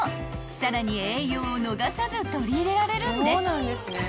［さらに栄養を逃さず取り入れられるんです］